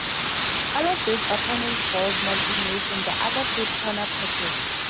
All of the opponent's balls must be made in the other foot corner pocket.